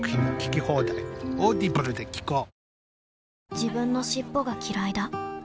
自分の尻尾がきらいだ